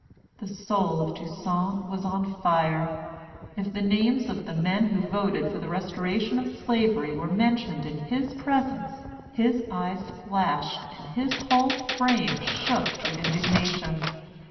The soul of Toussaint was on fire. If the names of the men who voted for the restoration of Slavery were mentioned in his presence, his eyes flashed and his whole frame shook with indignation.